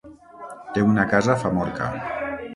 Té una casa a Famorca.